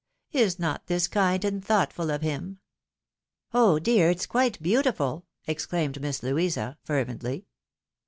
Is not this kind and thoughtful of him ?"" Oh, dear ! it's quite beautiful !" exclaimed Miss Louisa, fervently.